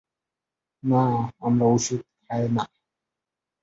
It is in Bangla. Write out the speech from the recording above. নাহ, আমার ওষুধ খায় না।